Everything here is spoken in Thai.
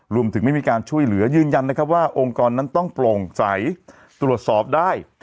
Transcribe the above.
ไม่มีการช่วยเหลือยืนยันนะครับว่าองค์กรนั้นต้องโปร่งใสตรวจสอบได้